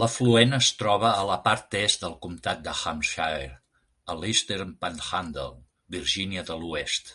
L'afluent es troba a la part est del comtat de Hampshire a Eastern Panhandle, Virgínia de l'Oest.